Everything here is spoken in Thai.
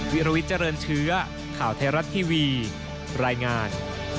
วิรวิทย์เจริญเชื้อข่าวไทยรัฐทีวีรายงาน